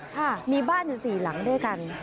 ค่ะมีบ้านอยู่สี่หลังด้วยกัน